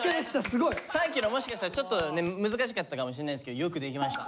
すごい！さっきのもしかしたらちょっと難しかったかもしれないですけどよくできました。